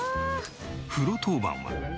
風呂当番は。